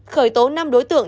khởi tố năm đối tượng